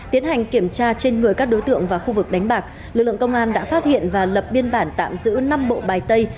tiến hành kiểm tra trên người các đối tượng và khu vực đánh bạc lực lượng công an đã phát hiện và lập biên bản tạm giữ năm bộ bài tay